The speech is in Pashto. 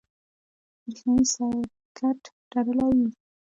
برېښنایي سرکټ تړلی وي.